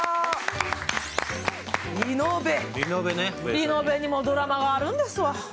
リノベにもドラマはあるんですわ。